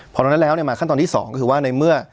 พอแล้วนะแล้วเนี่ยมาขั้นตอนที่สองก็คือว่าในเมื่อ